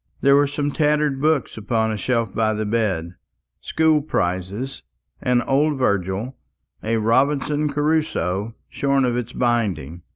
There were some tattered books upon a shelf by the bed school prizes, an old Virgil, a "Robinson Crusoe" shorn of its binding.